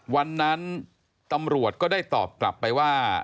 วันนั้นตำรวจก็ได้ตอบกลับไปว่า